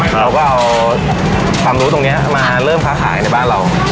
เราก็เอาความรู้ตรงนี้มาเริ่มค้าขายในบ้านเรา